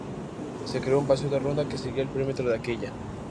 Se creó un paseo de Ronda que seguía el perímetro de aquella.